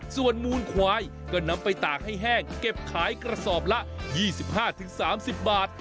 ส่วนมูลควายก็นำไปตากให้แห้งเก็บขายกระสอบละ๒๕๓๐บาท